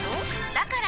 だから！